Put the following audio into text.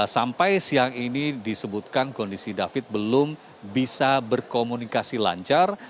sampai siang ini disebutkan kondisi david belum bisa berkomunikasi lancar